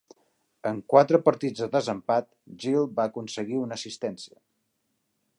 En quatre partits de desempat, Gill va aconseguir una assistència.